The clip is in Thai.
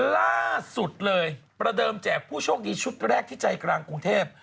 ล่าสุดเลยประเดิมแจกผู้โชคดีชุดแรกที่ใจกลางกรุงเทพ